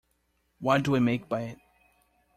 What do I make by it?